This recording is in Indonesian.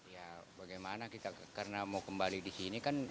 ya bagaimana kita karena mau kembali di sini kan